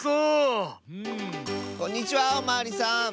こんにちはおまわりさん。